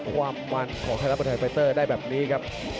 ความวันของไทรัส๑๖๐๐ได้แบบนี้ครับ